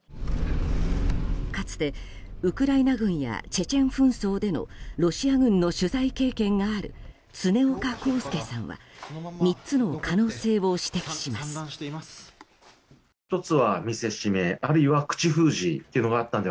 かつて、ウクライナ軍やチェチェン紛争でのロシア軍の取材経験がある常岡浩介さんは３つの可能性を指摘します。